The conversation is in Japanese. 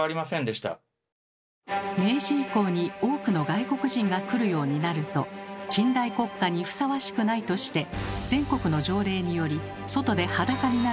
明治以降に多くの外国人が来るようになると近代国家にふさわしくないとして全国の条例により外で裸になることが禁止に。